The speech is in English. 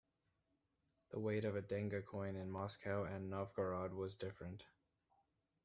The weight of a denga coin in Moscow and Novgorod was different.